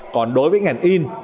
còn đối với ngành in